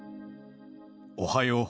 おはよう。